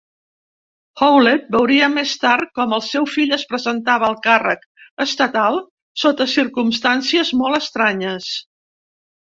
Howlett veuria més tard com el seu fill es presentava al càrrec estatal sota circumstàncies molt estranyes.